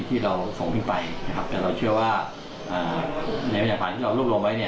เพียงพอที่จะอาจารย์มองผิดสาร